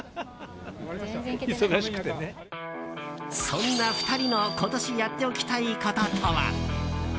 そんな２人の今年やっておきたいこととは。